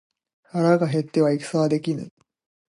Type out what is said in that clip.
腹が減っては戦はできぬ